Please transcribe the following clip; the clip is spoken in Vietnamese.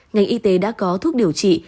ngành y tế đã có thuốc điều trị